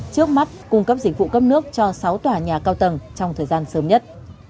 trước mắt cung cấp dịch vụ cấp nước cho sáu tòa nhà cao tầng trong thời gian sớm nhất